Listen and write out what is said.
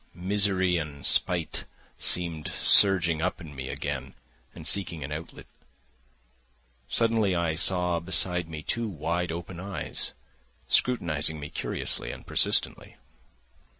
Misery and spite seemed surging up in me again and seeking an outlet. Suddenly I saw beside me two wide open eyes scrutinising me curiously and persistently.